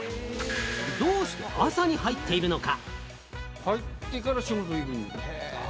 どうして朝に入っているのか？